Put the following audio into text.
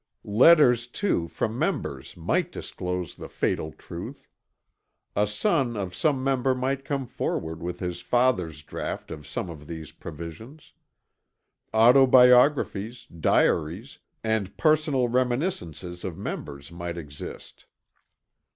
Letters too from members might disclose the fatal truth. A son of some member might come forward with his father's draught of some of these provisions. Autobiographies, diaries and personal reminiscences of members might exist.